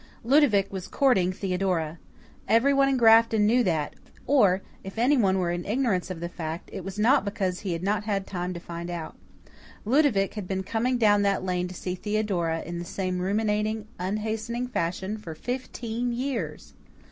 Ludovic was courting Theodora. Everyone in Grafton knew that, or, if anyone were in ignorance of the fact, it was not because he had not had time to find out. Ludovic had been coming down that lane to see Theodora, in the same ruminating, unhastening fashion, for fifteen years!